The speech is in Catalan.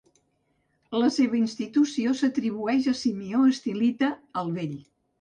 La seva institució s'atribueix a Simeó Estilita el Vell.